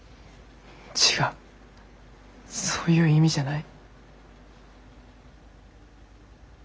違うそういう意味じゃない。